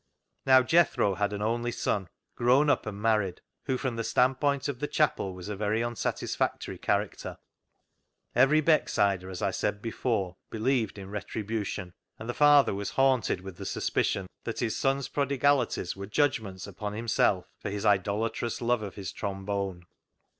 Now Jethro had an only son, grown up and married, who from the standpoint of the chapel was a very unsatisfactory character. Every Becksider, as I said before, believed in retri bution, and the father was haunted with the suspicion that his son's prodigalities were judgments upon himself for his idolatrous love of his trombone.